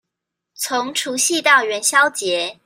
從除夕到元宵節